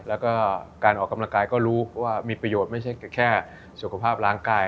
แล้วก็การออกกำลังกายก็รู้ว่ามีประโยชน์ไม่ใช่แค่สุขภาพร่างกาย